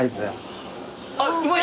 あっうまい。